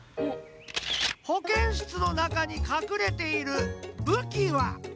保健室のなかにかくれている武器は？